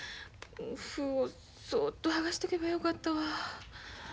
封をそっと剥がしとけばよかったわ。